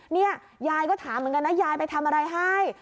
เนี่ยยายก็ถามเหมือนกันนะยายไปทำอะไรให้